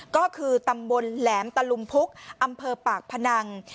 ก็คือตำบลแหลมตะลุมพุกอำเภอปากพนัง